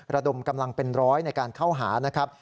ระดมกำลังเป็นร้อยในการเข้าหานะครับ